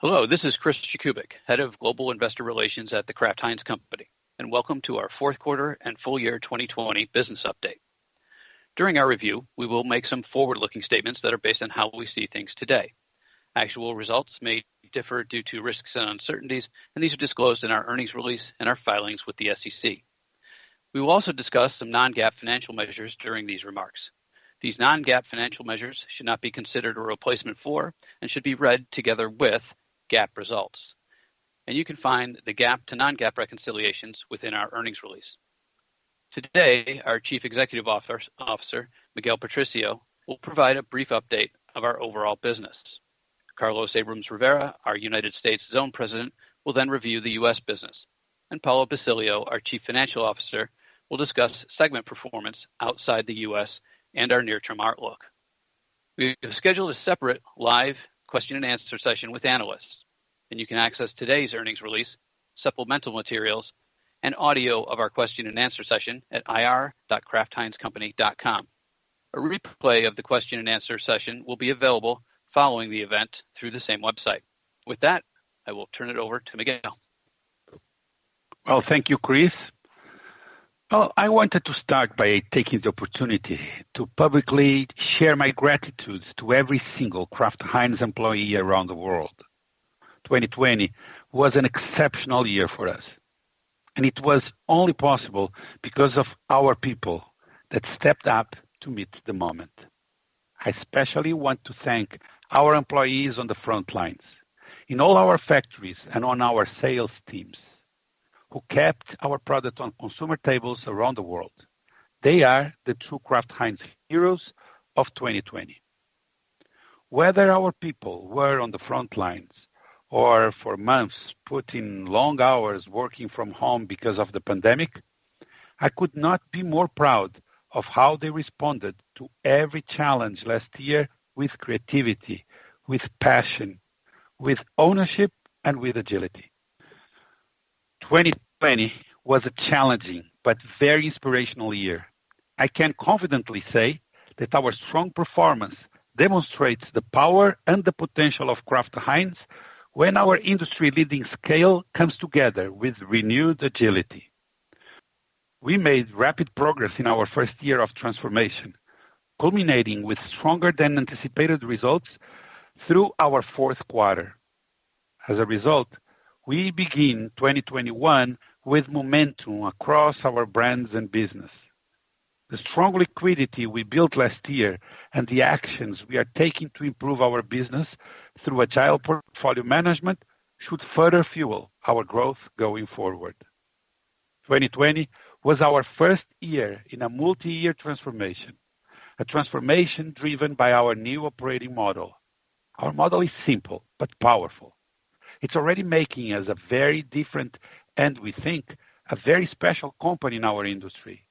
Hello, this is Chris Jakubik, Head of Global Investor Relations at The Kraft Heinz Company. Welcome to our fourth quarter and full year 2020 business update. During our review, we will make some forward-looking statements that are based on how we see things today. Actual results may differ due to risks and uncertainties, these are disclosed in our earnings release and our filings with the SEC. We will also discuss some non-GAAP financial measures during these remarks. These non-GAAP financial measures should not be considered a replacement for and should be read together with GAAP results. You can find the GAAP to non-GAAP reconciliations within our earnings release. Today, our Chief Executive Officer, Miguel Patricio, will provide a brief update of our overall business. Carlos Abrams-Rivera, our United States Zone President, will then review the U.S. business, and Paulo Basilio, our Chief Financial Officer, will discuss segment performance outside the U.S. and our near-term outlook. We have scheduled a separate live question and answer session with analysts, and you can access today's earnings release, supplemental materials, and audio of our question and answer session at ir.kraftheinzcompany.com. A replay of the question and answer session will be available following the event through the same website. With that, I will turn it over to Miguel. Well, thank you, Chris. Well, I wanted to start by taking the opportunity to publicly share my gratitude to every single Kraft Heinz employee around the world. 2020 was an exceptional year for us, and it was only possible because of our people that stepped up to meet the moment. I especially want to thank our employees on the front lines, in all our factories and on our sales teams, who kept our product on consumer tables around the world. They are the true Kraft Heinz heroes of 2020. Whether our people were on the front lines or for months put in long hours working from home because of the pandemic, I could not be more proud of how they responded to every challenge last year with creativity, with passion, with ownership, and with agility. 2020 was a challenging but very inspirational year. I can confidently say that our strong performance demonstrates the power and the potential of Kraft Heinz when our industry-leading scale comes together with renewed agility. We made rapid progress in our first year of transformation, culminating with stronger than anticipated results through our fourth quarter. As a result, we begin 2021 with momentum across our brands and business. The strong liquidity we built last year and the actions we are taking to improve our business through agile portfolio management should further fuel our growth going forward. 2020 was our first year in a multi-year transformation, a transformation driven by our new operating model. Our model is simple but powerful. It's already making us a very different, and we think, a very special company in our industry.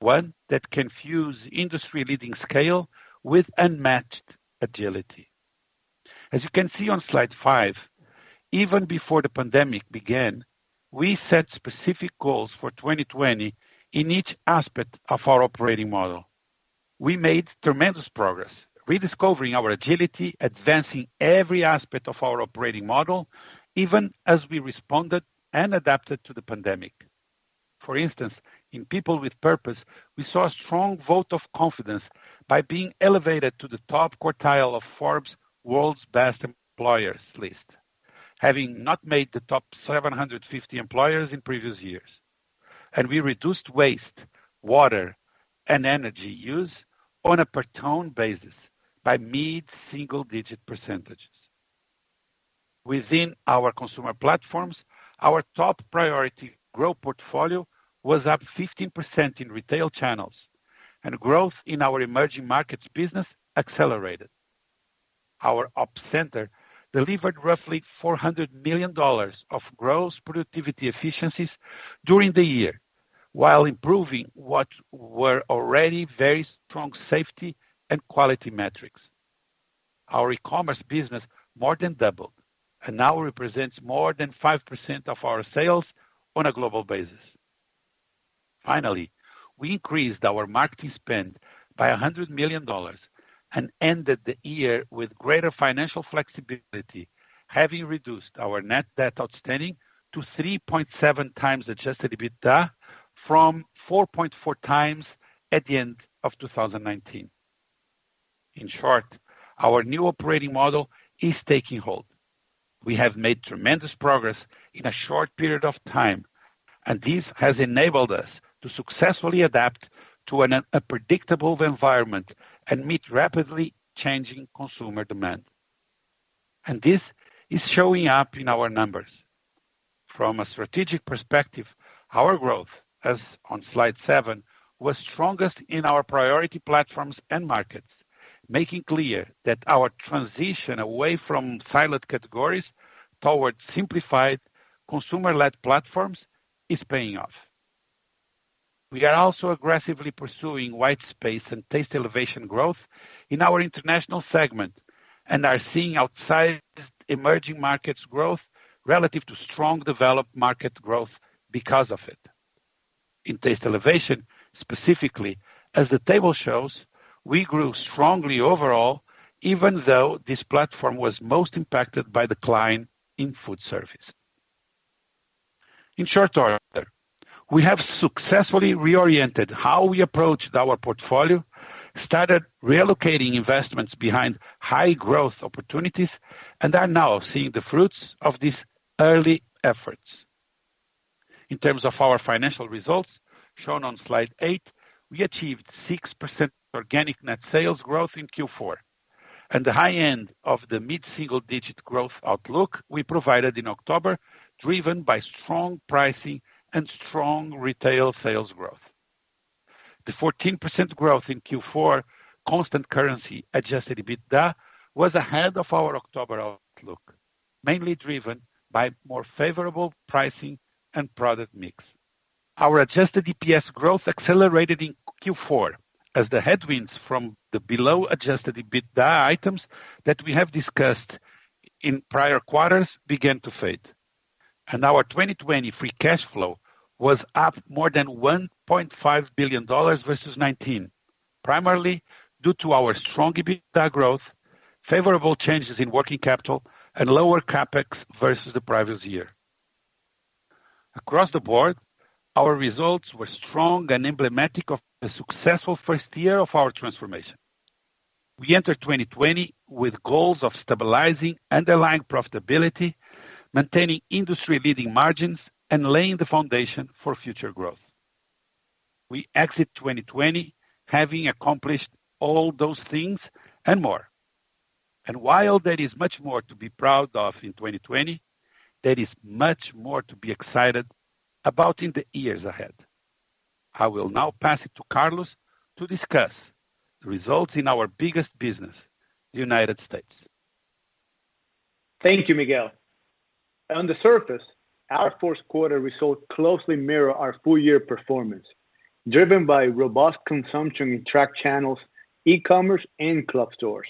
One that can fuse industry-leading scale with unmatched agility. As you can see on Slide five, even before the pandemic began, we set specific goals for 2020 in each aspect of our operating model. We made tremendous progress, rediscovering our agility, advancing every aspect of our operating model, even as we responded and adapted to the pandemic. For instance, in People with Purpose, we saw a strong vote of confidence by being elevated to the top quartile of Forbes' World's Best Employers list, having not made the top 750 employers in previous years. We reduced waste, water, and energy use on a per ton basis by mid-single digit percentages. Within our consumer platforms, our top priority growth portfolio was up 15% in retail channels, and growth in our emerging markets business accelerated. Our Ops Center delivered roughly $400 million of gross productivity efficiencies during the year while improving what were already very strong safety and quality metrics. Our e-commerce business more than doubled and now represents more than 5% of our sales on a global basis. Finally, we increased our marketing spend by $100 million and ended the year with greater financial flexibility, having reduced our net debt outstanding to 3.7x adjusted EBITDA from 4.4x at the end of 2019. In short, our new operating model is taking hold. We have made tremendous progress in a short period of time, and this has enabled us to successfully adapt to an unpredictable environment and meet rapidly changing consumer demand. This is showing up in our numbers. From a strategic perspective, our growth, as on Slide seven, was strongest in our priority platforms and markets, making clear that our transition away from siloed categories towards simplified consumer-led platforms is paying off. We are also aggressively pursuing white space and Taste Elevation growth in our international segment and are seeing outsized emerging markets growth relative to strong developed market growth because of it. In Taste Elevation, specifically as the table shows, we grew strongly overall, even though this platform was most impacted by decline in food service. In short order, we have successfully reoriented how we approached our portfolio, started relocating investments behind high growth opportunities, and are now seeing the fruits of these early efforts. In terms of our financial results, shown on Slide eight, we achieved 6% organic net sales growth in Q4, at the high end of the mid-single digit growth outlook we provided in October, driven by strong pricing and strong retail sales growth. The 14% growth in Q4 constant currency adjusted EBITDA was ahead of our October outlook, mainly driven by more favorable pricing and product mix. Our adjusted EPS growth accelerated in Q4 as the headwinds from the below adjusted EBITDA items that we have discussed in prior quarters began to fade. Our 2020 free cash flow was up more than $1.5 billion versus 2019, primarily due to our strong EBITDA growth, favorable changes in working capital, and lower CapEx versus the previous year. Across the board, our results were strong and emblematic of the successful first year of our transformation. We enter 2020 with goals of stabilizing underlying profitability, maintaining industry leading margins, and laying the foundation for future growth. We exit 2020 having accomplished all those things and more. While there is much more to be proud of in 2020, there is much more to be excited about in the years ahead. I will now pass it to Carlos to discuss the results in our biggest business, the United States. Thank you, Miguel. On the surface, our fourth quarter results closely mirror our full year performance, driven by robust consumption in track channels, e-commerce, and club stores.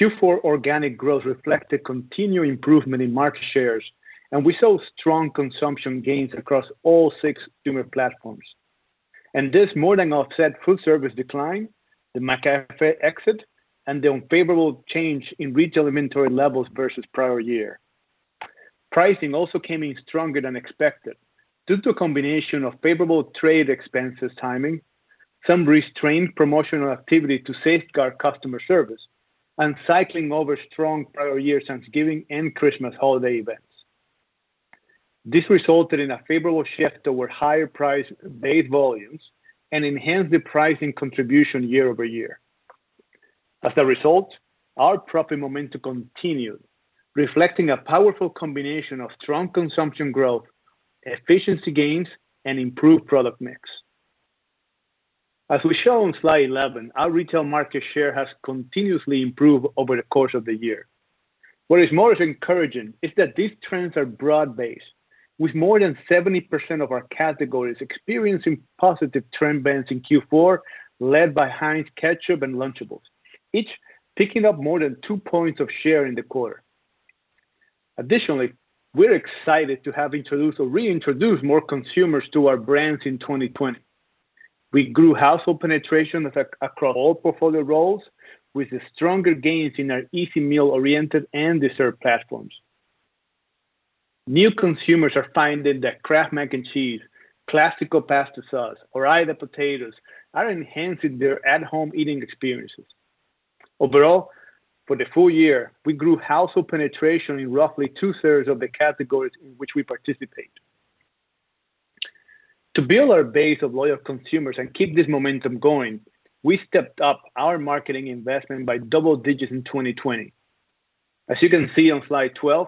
Q4 organic growth reflected continued improvement in market shares. We saw strong consumption gains across all six consumer platforms. This more than offset food service decline, the McCafé exit, and the unfavorable change in retail inventory levels versus prior year. Pricing also came in stronger than expected due to a combination of favorable trade expenses timing, some restrained promotional activity to safeguard customer service, and cycling over strong prior year Thanksgiving and Christmas holiday events. This resulted in a favorable shift toward higher price paid volumes and enhanced the pricing contribution year-over-year. As a result, our profit momentum continued, reflecting a powerful combination of strong consumption growth, efficiency gains, and improved product mix. As we show on Slide 11, our retail market share has continuously improved over the course of the year. What is most encouraging is that these trends are broad-based, with more than 70% of our categories experiencing positive trend bends in Q4, led by Heinz Ketchup and Lunchables, each picking up more than two points of share in the quarter. Additionally, we're excited to have introduced or reintroduced more consumers to our brands in 2020. We grew household penetration across all portfolio roles, with stronger gains in our easy meal-oriented and dessert platforms. New consumers are finding that Kraft Mac & Cheese, Classico pasta sauce, or Ore-Ida potatoes are enhancing their at-home eating experiences. Overall, for the full year, we grew household penetration in roughly two-thirds of the categories in which we participate. To build our base of loyal consumers and keep this momentum going, we stepped up our marketing investment by double digits in 2020. As you can see on Slide 12,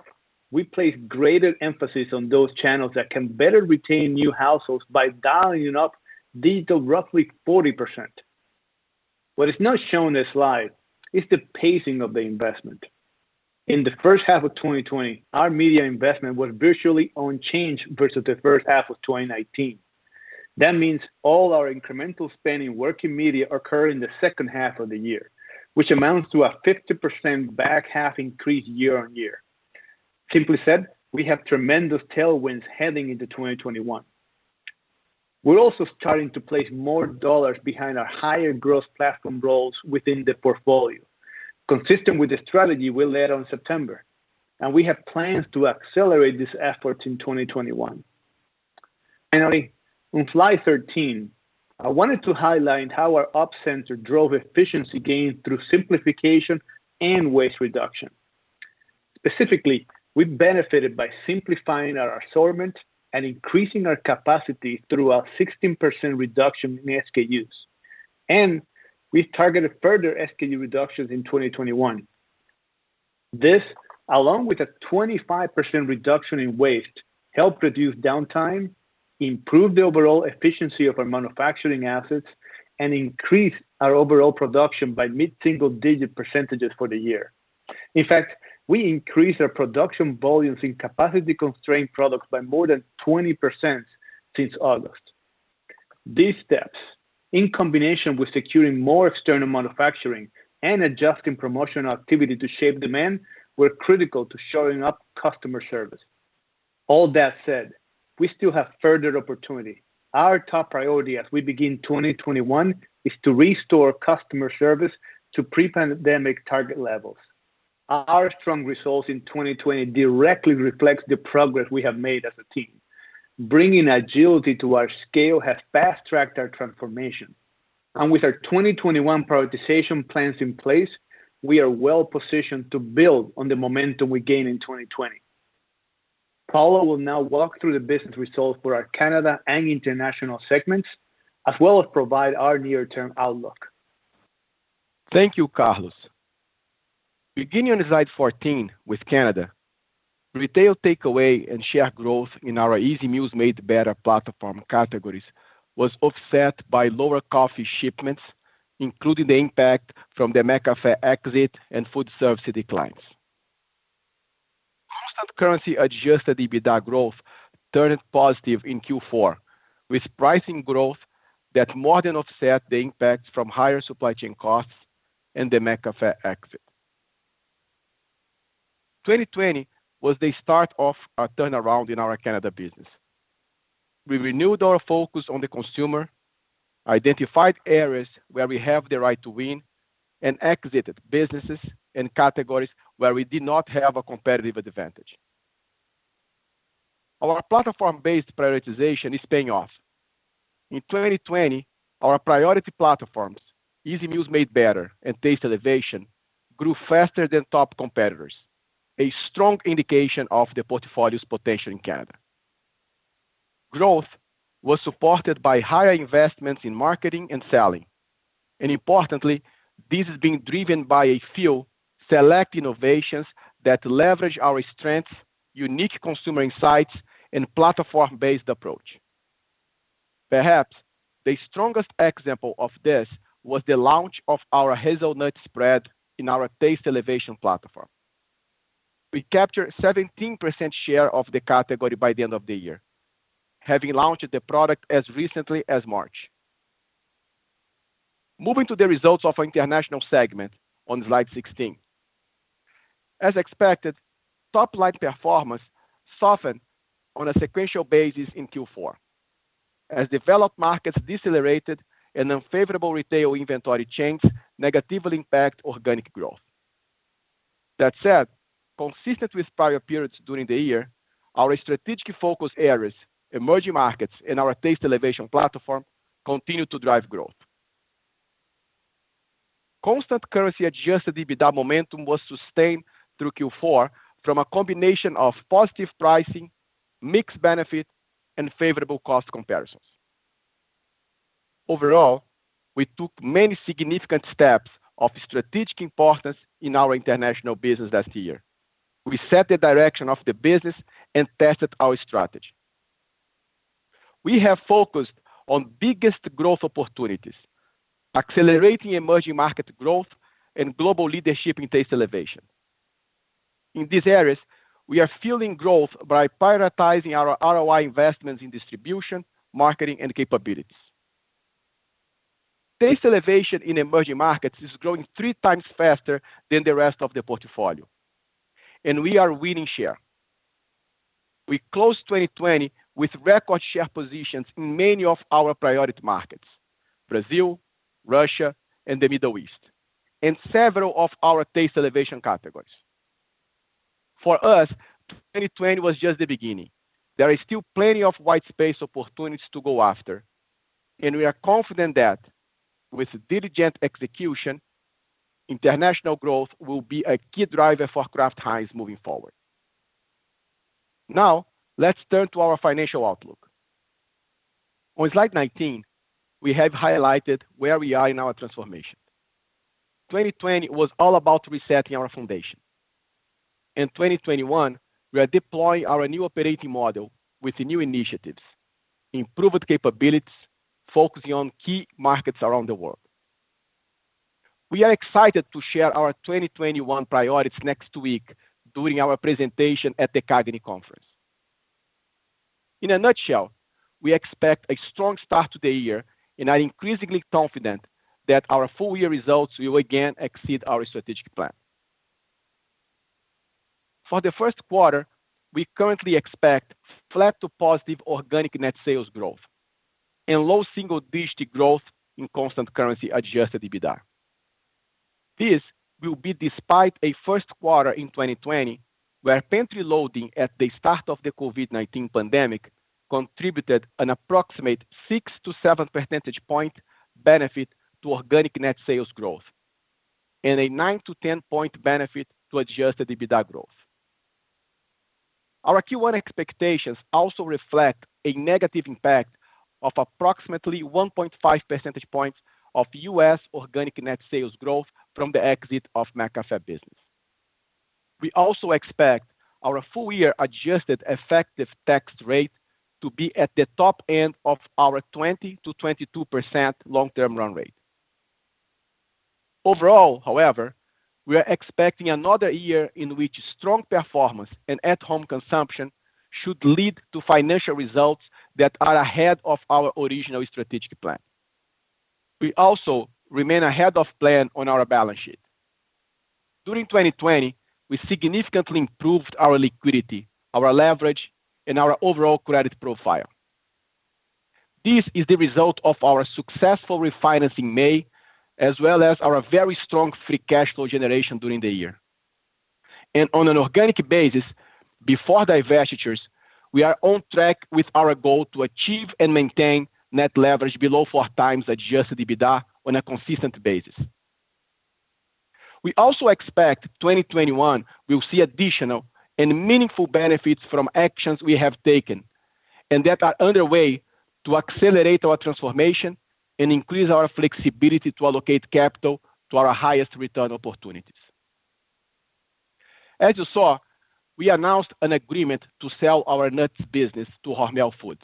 we placed greater emphasis on those channels that can better retain new households by dialing up digital roughly 40%. What is not shown in this slide is the pacing of the investment. In the first half of 2020, our media investment was virtually unchanged versus the first half of 2019. That means all our incremental spending working media occurred in the second half of the year, which amounts to a 50% back half increase year-on-year. Simply said, we have tremendous tailwinds heading into 2021. We're also starting to place more dollars behind our higher growth platform roles within the portfolio, consistent with the strategy we led on September, and we have plans to accelerate these efforts in 2021. Finally, on Slide 13, I wanted to highlight how our Ops center drove efficiency gains through simplification and waste reduction. Specifically, we benefited by simplifying our assortment and increasing our capacity through our 16% reduction in SKUs. We've targeted further SKU reductions in 2021. This, along with a 25% reduction in waste, helped reduce downtime, improve the overall efficiency of our manufacturing assets, and increase our overall production by mid-single digit % for the year. In fact, we increased our production volumes in capacity-constrained products by more than 20% since August. These steps, in combination with securing more external manufacturing and adjusting promotional activity to shape demand, were critical to shoring up customer service. All that said, we still have further opportunity. Our top priority as we begin 2021 is to restore customer service to pre-pandemic target levels. Our strong results in 2020 directly reflect the progress we have made as a team. Bringing agility to our scale has fast-tracked our transformation. With our 2021 prioritization plans in place, we are well-positioned to build on the momentum we gained in 2020. Paulo will now walk through the business results for our Canada and international segments, as well as provide our near-term outlook. Thank you, Carlos. Beginning on Slide 14 with Canada, retail takeaway and share growth in our Easy Meals Made Better platform categories was offset by lower coffee shipments, including the impact from the McCafé exit and foodservice declines. Constant currency adjusted EBITDA growth turned positive in Q4, with pricing growth that more than offset the impact from higher supply chain costs and the McCafé exit. 2020 was the start of a turnaround in our Canada business. We renewed our focus on the consumer, identified areas where we have the right to win, and exited businesses and categories where we did not have a competitive advantage. Our platform-based prioritization is paying off. In 2020, our priority platforms, Easy Meals Made Better and Taste Elevation, grew faster than top competitors, a strong indication of the portfolio's potential in Canada. Growth was supported by higher investments in marketing and selling. Importantly, this is being driven by a few select innovations that leverage our strengths, unique consumer insights, and platform-based approach. Perhaps the strongest example of this was the launch of our hazelnut spread in our Taste Elevation platform. We captured 17% share of the category by the end of the year, having launched the product as recently as March. Moving to the results of our international segment on Slide 16. As expected, top-line performance softened on a sequential basis in Q4 as developed markets decelerated and unfavorable retail inventory changed, negatively impact organic growth. That said, consistent with prior periods during the year, our strategic focus areas, emerging markets, and our Taste Elevation platform continued to drive growth. Constant currency adjusted EBITDA momentum was sustained through Q4 from a combination of positive pricing, mix benefit, and favorable cost comparisons. Overall, we took many significant steps of strategic importance in our international business last year. We set the direction of the business and tested our strategy. We have focused on biggest growth opportunities, accelerating emerging market growth, and global leadership in Taste Elevation. In these areas, we are fueling growth by prioritizing our ROI investments in distribution, marketing, and capabilities. Taste Elevation in emerging markets is growing three times faster than the rest of the portfolio, and we are winning share. We closed 2020 with record share positions in many of our priority markets, Brazil, Russia, and the Middle East, and several of our Taste Elevation categories. For us, 2020 was just the beginning. There is still plenty of white space opportunities to go after, and we are confident that with diligent execution, international growth will be a key driver for Kraft Heinz moving forward. Let's turn to our financial outlook. On Slide 19, we have highlighted where we are in our transformation. 2020 was all about resetting our foundation. In 2021, we are deploying our new operating model with new initiatives, improved capabilities, focusing on key markets around the world. We are excited to share our 2021 priorities next week during our presentation at the CAGNY Conference. In a nutshell, we expect a strong start to the year and are increasingly confident that our full-year results will again exceed our strategic plan. For the first quarter, we currently expect flat to positive organic net sales growth and low single-digit growth in constant currency adjusted EBITDA. This will be despite a first quarter in 2020 where pantry loading at the start of the COVID-19 pandemic contributed an approximate six to seven percentage point benefit to organic net sales growth and a nine to 10-point benefit to adjusted EBITDA growth. Our Q1 expectations also reflect a negative impact of approximately 1.5 percentage points of U.S. organic net sales growth from the exit of McCafé business. We also expect our full-year adjusted effective tax rate to be at the top end of our 20%-22% long-term run rate. Overall, however, we are expecting another year in which strong performance and at-home consumption should lead to financial results that are ahead of our original strategic plan. We also remain ahead of plan on our balance sheet. During 2020, we significantly improved our liquidity, our leverage, and our overall credit profile. This is the result of our successful refinance in May, as well as our very strong free cash flow generation during the year. On an organic basis, before divestitures, we are on track with our goal to achieve and maintain net leverage below four times adjusted EBITDA on a consistent basis. We also expect 2021 will see additional and meaningful benefits from actions we have taken, and that are underway to accelerate our transformation and increase our flexibility to allocate capital to our highest return opportunities. As you saw, we announced an agreement to sell our nuts business to Hormel Foods,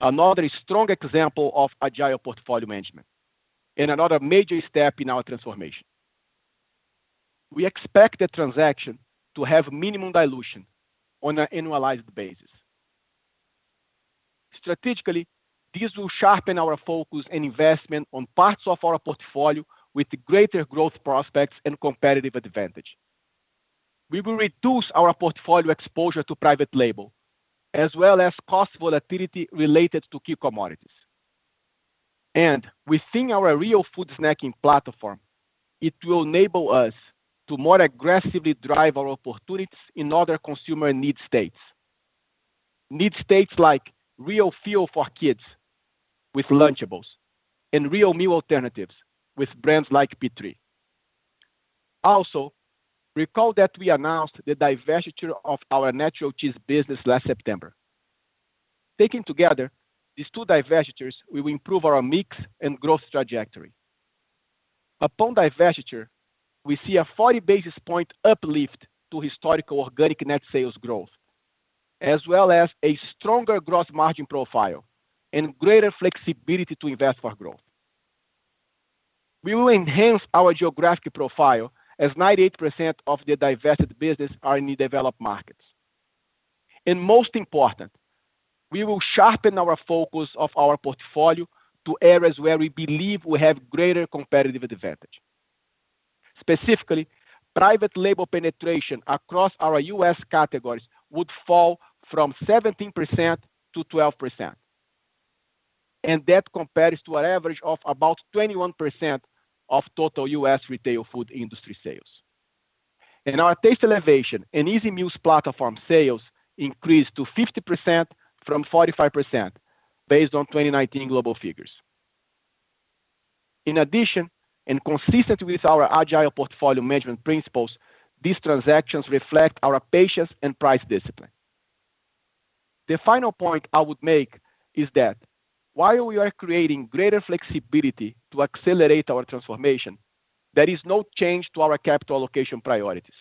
another strong example of agile portfolio management and another major step in our transformation. We expect the transaction to have minimum dilution on an annualized basis. Strategically, this will sharpen our focus and investment on parts of our portfolio with greater growth prospects and competitive advantage. We will reduce our portfolio exposure to private label, as well as cost volatility related to key commodities. We think our real food snacking platform will enable us to more aggressively drive our opportunities in other consumer need states. Need states like real food for kids with Lunchables and real meal alternatives with brands like P3. Also, recall that we announced the divestiture of our natural cheese business last September. Taken together, these two divestitures will improve our mix and growth trajectory. Upon divestiture, we see a 40 basis point uplift to historical organic net sales growth, as well as a stronger gross margin profile and greater flexibility to invest for growth. We will enhance our geographic profile as 98% of the divested business are in the developed markets. Most important, we will sharpen our focus of our portfolio to areas where we believe we have greater competitive advantage. Specifically, private label penetration across our U.S. categories would fall from 17% to 12%. That compares to an average of about 21% of total U.S. retail food industry sales. Our Taste Elevation and Easy Meals platform sales increased to 50% from 45%, based on 2019 global figures. In addition, and consistent with our agile portfolio management principles, these transactions reflect our patience and price discipline. The final point I would make is that while we are creating greater flexibility to accelerate our transformation, there is no change to our capital allocation priorities.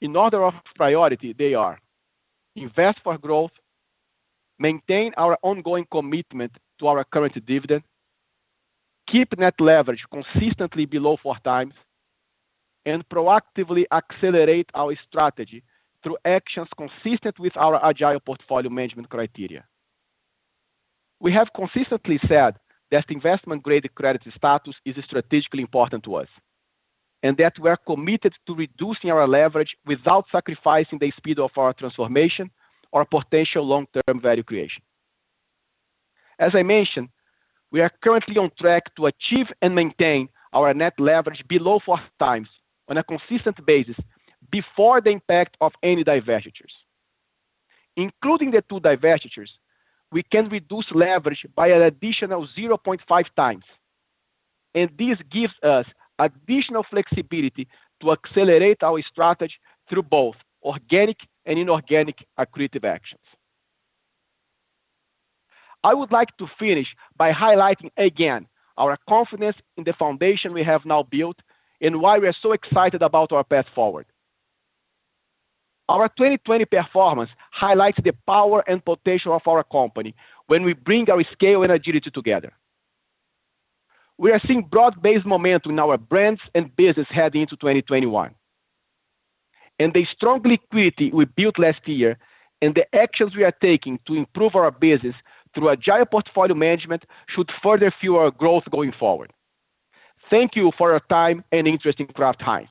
In order of priority, they are: invest for growth, maintain our ongoing commitment to our current dividend, keep net leverage consistently below 4x, and proactively accelerate our strategy through actions consistent with our agile portfolio management criteria. We have consistently said that investment-grade credit status is strategically important to us, and that we're committed to reducing our leverage without sacrificing the speed of our transformation or potential long-term value creation. As I mentioned, we are currently on track to achieve and maintain our net leverage below 4x on a consistent basis before the impact of any divestitures. Including the two divestitures, we can reduce leverage by an additional 0.5x, and this gives us additional flexibility to accelerate our strategy through both organic and inorganic accretive actions. I would like to finish by highlighting again our confidence in the foundation we have now built and why we're so excited about our path forward. Our 2020 performance highlights the power and potential of our company when we bring our scale and agility together. We are seeing broad-based momentum in our brands and business heading into 2021, and the strong liquidity we built last year and the actions we are taking to improve our business through agile portfolio management should further fuel our growth going forward. Thank you for your time and interest in Kraft Heinz.